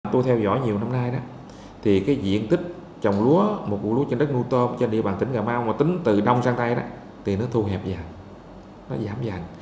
tôi theo dõi nhiều năm nay đó thì cái diện tích trồng lúa một vụ lúa trên đất nuôi tôm trên địa bàn tỉnh cà mau mà tính từ đông sang tây đó thì nó thu hẹp dần nó giảm dần